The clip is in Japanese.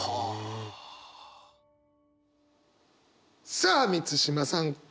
さあ満島さん。